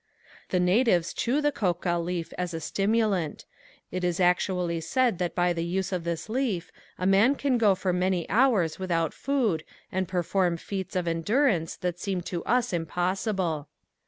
The natives chew the coca leaf as a stimulant. It is actually said that by the use of this leaf a man can go for many hours without food and perform feats of endurance that seem to us impossible.